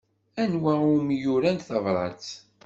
Anwa umi urant tabṛat?